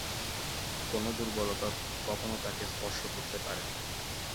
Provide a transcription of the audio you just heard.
কোন দুর্বলতা কখনও তাঁকে স্পর্শ করতে পারেনি।